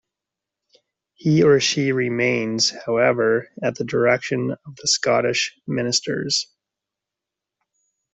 He or she remains, however, at the direction of the Scottish ministers.